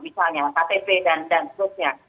misalnya ktp dan seterusnya